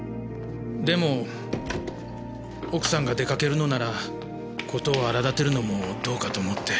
でも奥さんが出かけるのなら事を荒立てるのもどうかと思って。